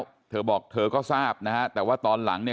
แล้วเธอบอกเธอก็ทราบนะฮะแต่ว่าตอนหลังเนี่ย